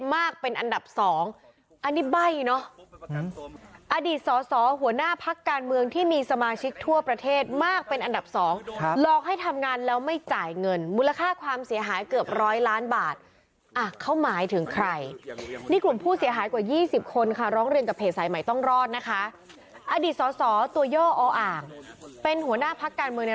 สายใหม่ต้องรอดนะคะอดีตสอตัวย่ออ่างเป็นหัวหน้าพักการเมืองใน